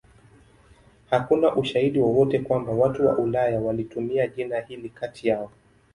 Hakuna ushahidi wowote kwamba watu wa Ulaya walitumia jina hili kati yao.